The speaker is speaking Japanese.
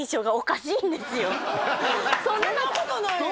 そんなことないよ